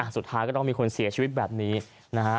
สุดท้ายก็ต้องมีคนเสียชีวิตแบบนี้นะฮะ